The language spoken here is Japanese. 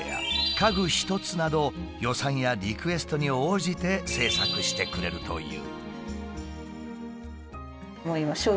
家具一つなど予算やリクエストに応じて制作してくれるという。